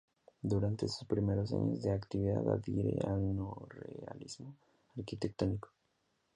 Durante sus primeros años de actividad adhiere al Neorrealismo arquitectónico.